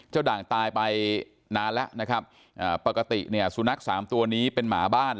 ด่างตายไปนานแล้วนะครับอ่าปกติเนี่ยสุนัขสามตัวนี้เป็นหมาบ้าน